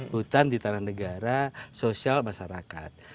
hutan di tanah negara sosial masyarakat